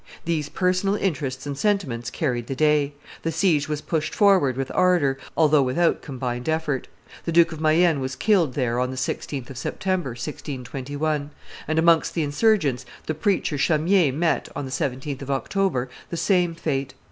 These personal interests and sentiments carried the day; the siege was pushed forward with ardor, although without combined effort; the Duke of Mayenne was killed there on the 16th of September, 1621; and, amongst the insurgents, the preacher Chamier met, on the 17th of October, the same fate.